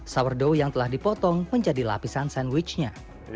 sourdow yang telah dipotong menjadi lapisan sandwichnya